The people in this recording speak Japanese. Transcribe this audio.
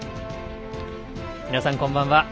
皆さん、こんばんは。